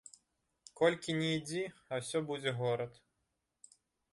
Колькі ні ідзі, а ўсё будзе горад.